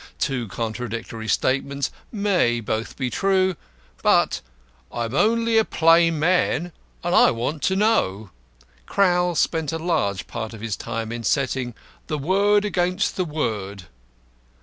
Two contradictory statements may both be true, but "I am only a plain man, and I want to know." Crowl spent a large part of his time in setting "the word against the word."